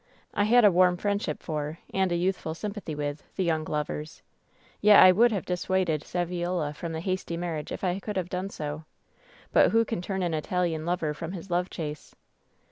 I had a warm friendship for, and a youthful sympathy with, the young lovers; yet I would have dissuaded Saviola from the hasty marriage if I could have done so. But who can turn an Italian lover from his love chase